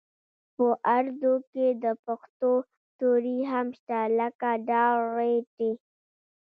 په اردو کې د پښتو توري هم شته لکه ډ ړ ټ